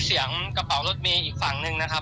เสียงกระเป๋ารถเมย์อีกฝั่งหนึ่งนะครับ